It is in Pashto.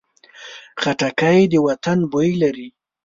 خټکی د وطن بوی لري.